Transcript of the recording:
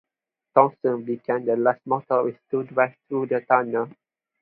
Thomson became the last motorist to drive through the tunnel.